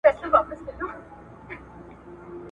زما بغات ستا له ګفتاره سره نه جوړیږي ..